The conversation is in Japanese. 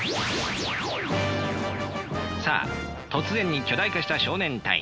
さあ突然に巨大化した少年隊員。